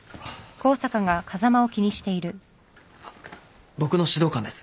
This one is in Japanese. あっ僕の指導官です。